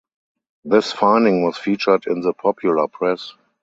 This finding was featured in the popular press.